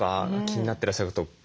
気になってらっしゃること。